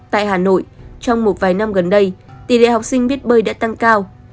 tại hà nội trong một vài năm gần đây tỷ lệ học sinh biết bơi đã tăng cao